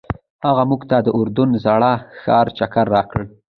هغه موږ ته د اردن زاړه ښار چکر راکړ.